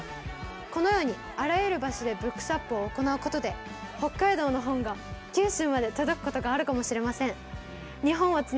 このようにあらゆる場所でＢｏｏｋｓｗａｐを行うことで北海道の本が九州まで届くことがあるかもしれません。